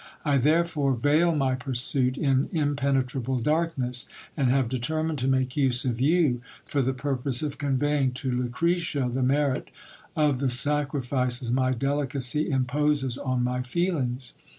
I therefore veil my pursuit in impenetrable darkness ; and have determined to make use of you, for the purpose of conveying to Lucretia the merit of the sacrifices my delicacy imposes on my feelings.